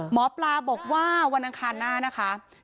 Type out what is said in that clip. หมอปลาบอกว่าวันอังคารหน้านะคะ